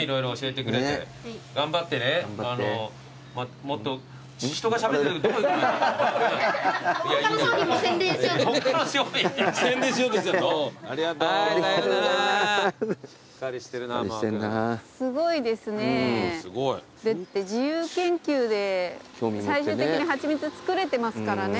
だって自由研究で最終的に蜂蜜作れてますからね。